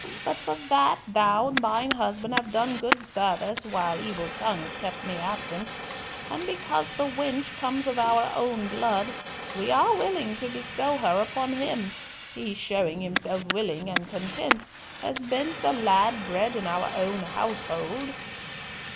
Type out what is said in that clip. But for that thou and thine husband have done good service while evil tongues kept me absent, and because the wench comes of our own blood, we are willing to bestow her upon him, he showing himself willing and content, as bents a lad bred in our own household."